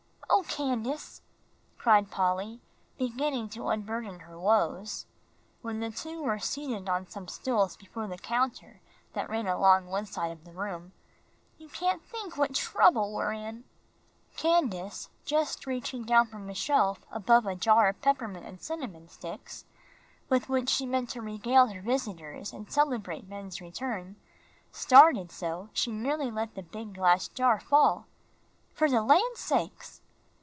"Oh, Candace," cried Polly, beginning to unburden her woes, when the two were seated on some stools before the counter that ran along one side of the room, "you can't think what trouble we're in." Candace, just reaching down from a shelf above a jar of peppermint and cinnamon sticks, with which she meant to regale her visitors and celebrate Ben's return, started so she nearly let the big glass jar fall. "Fer de lan's sakes!"